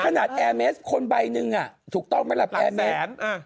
แอร์เมสคนใบหนึ่งถูกต้องไหมล่ะแอร์เมส